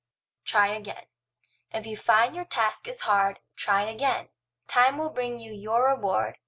TRY AGAIN If you find your task is hard, Try again; Time will bring you your reward.